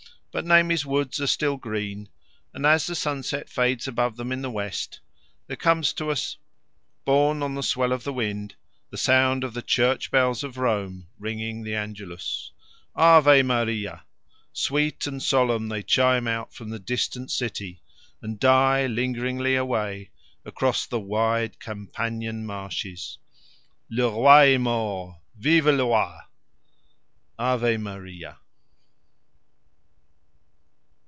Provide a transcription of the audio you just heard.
But Nemi's woods are still green, and as the sunset fades above them in the west, there comes to us, borne on the swell of the wind, the sound of the church bells of Aricia ringing the Angelus. Ave Maria! Sweet and solemn they chime out from the distant town and die lingeringly away across the wide Campagnan marshes. _Le roi est mort, vive le roi! Ave Maria!